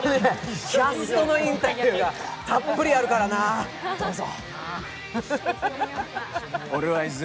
キャストのインタビューがたっぷりあるからな、どうぞ！